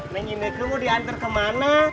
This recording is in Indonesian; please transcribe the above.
neng indra kamu diantar kemana